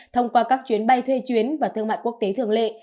thông qua các chuyến bay thuê chuyến và thương mại quốc tế thường lệ